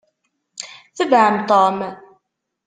Tebɛem Tom!